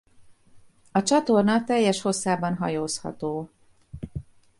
A csatorna teljes hosszában hajózható.